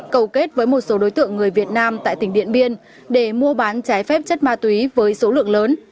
cầu kết với một số đối tượng người việt nam tại tỉnh điện biên để mua bán trái phép chất ma túy với số lượng lớn